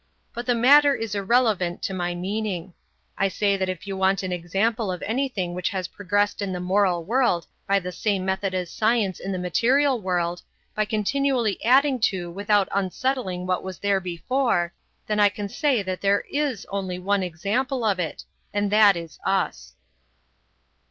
But the matter is irrelevant to my meaning. I say that if you want an example of anything which has progressed in the moral world by the same method as science in the material world, by continually adding to without unsettling what was there before, then I say that there is only one example of it. And that is Us."